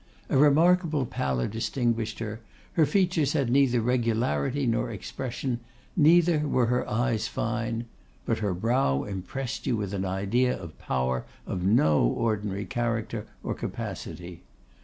A remarkable pallor distinguished her; her features had neither regularity nor expression; neither were her eyes fine; but her brow impressed you with an idea of power of no ordinary character or capacity.